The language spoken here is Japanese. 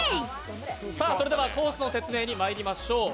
それではコースの説明にまいりましょう。